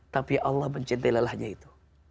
tapi allah mencintai lelahnya itu